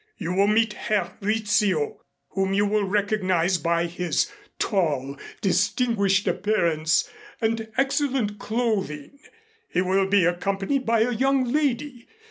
You will meet Herr Rizzio, whom you will recognize by his tall, distinguished appearance and excellent clothing. He will be accompanied by a young lady.